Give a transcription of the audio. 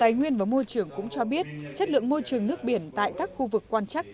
tài nguyên và môi trường cũng cho biết chất lượng môi trường nước biển tại các khu vực quan chắc